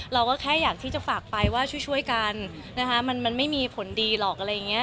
เราก็แค่อยากที่จะฝากไปว่าช่วยกันนะคะมันไม่มีผลดีหรอกอะไรอย่างนี้